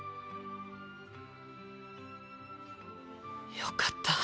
よかった。